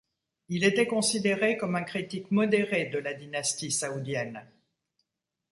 Il était considéré comme un critique modéré de la dynastie saoudienne.